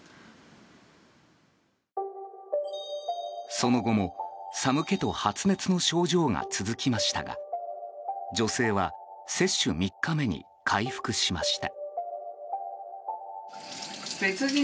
その後も、寒気と発熱の症状が続きましたが女性は接種３日目に回復しました。